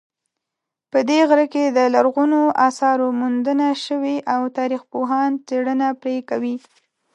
په دې غره کې د لرغونو آثارو موندنه شوې او تاریخپوهان څېړنه پرې کوي